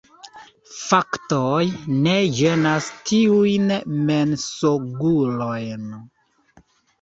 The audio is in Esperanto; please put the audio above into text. Faktoj ne ĝenas tiujn mensogulojn.